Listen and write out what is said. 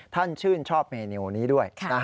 ชื่นชอบเมนูนี้ด้วย